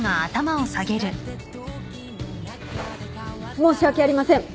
申し訳ありません。